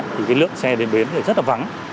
thì cái lượng xe đến bến thì rất là vắng